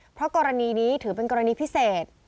เพราะกรณีนี้ถือเป็นกรณีพิเศษ